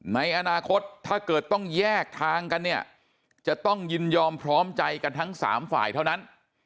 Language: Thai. ในอนาคตถ้าเกิดต้องแยกทางกันเนี่ยจะต้องยินยอมพร้อมใจกันทั้ง๓ฝ่ายเท่านั้น